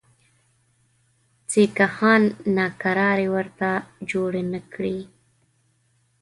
سیکهان ناکراري ورته جوړي نه کړي.